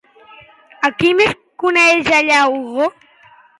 A qui més coneix allà Hugo?